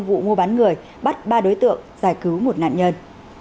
vụ mua bán người bắt ba đối tượng giải cứu một nạn nhân